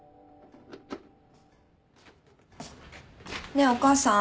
ねえお母さん。